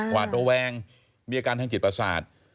หวาดระแวงมีอาการทางจิตประสาท